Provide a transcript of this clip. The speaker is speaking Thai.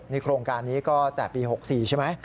โครงการนี้ก็แต่ปี๖๔ใช่ไหม